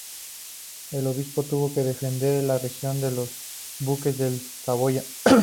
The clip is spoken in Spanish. El obispo tuvo que defender la región de los duques de Saboya.